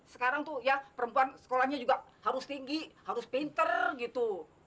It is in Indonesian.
sekarang tuh ya perempuan sekolahnya juga harus tinggi harus pinter gitu